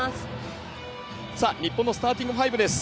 日本のスターティング５です。